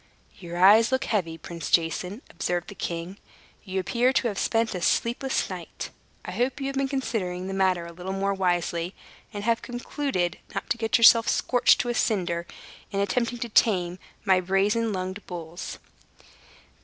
"Your eyes look heavy, Prince Jason," observed the king; "you appear to have spent a sleepless night. I hope you have been considering the matter a little more wisely, and have concluded not to get yourself scorched to a cinder, in attempting to tame my brazen lunged bulls."